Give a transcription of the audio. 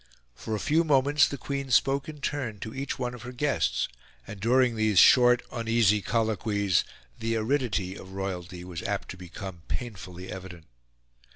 For a few moments the Queen spoke in turn to each one of her guests; and during these short uneasy colloquies the aridity of royalty was apt to become painfully evident.